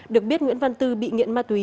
được biết nguyễn văn tư bị nghiện ma túy